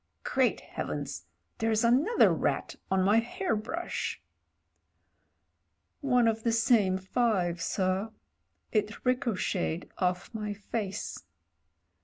"Great Heavens 1 there's another rat on my hair brush." "One of the same five, sir. It ricocheted off my face."